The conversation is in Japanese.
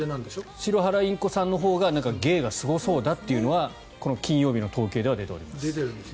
シロハラインコさんのほうが芸がすごそうだというのはこの金曜日の統計では出ております。